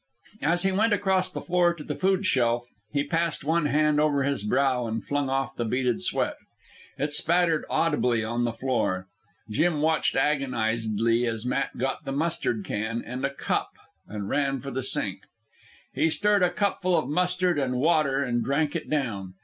As he went across the floor to the food shelf, he passed one hand over his brow and flung off the beaded sweat. It spattered audibly on the floor. Jim watched agonizedly as Matt got the mustard can and a cup and ran for the sink. He stirred a cupful of mustard and water and drank it down.